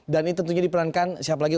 dan ini tentunya diperankan siapa lagi